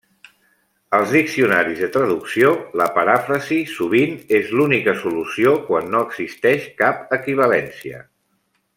Als diccionaris de traducció, la paràfrasi sovint és l'única solució quan no existeix cap equivalència.